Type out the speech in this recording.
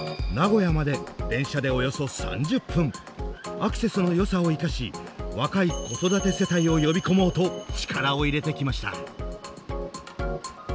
アクセスのよさを生かし若い子育て世帯を呼び込もうと力を入れてきました。